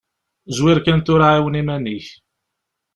Zwir kan tura ɛiwen iman-ik.